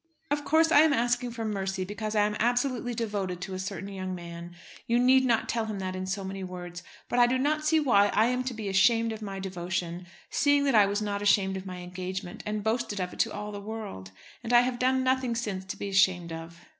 Of course I am asking for mercy, because I am absolutely devoted to a certain young man. You need not tell him that in so many words; but I do not see why I am to be ashamed of my devotion, seeing that I was not ashamed of my engagement, and boasted of it to all the world. And I have done nothing since to be ashamed of.